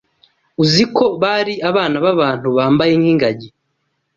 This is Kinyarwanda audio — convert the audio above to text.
uziko bari abana b’abantu bambaye nk’ingagi